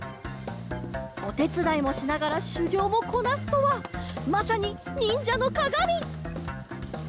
おてつだいもしながらしゅぎょうもこなすとはまさににんじゃのかがみ！